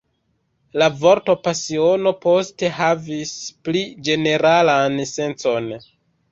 La vorto pasiono poste havis pli ĝeneralan sencon.